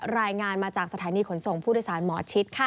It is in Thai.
รายงานมาจากสถานีขนส่งผู้โดยสารหมอชิดค่ะ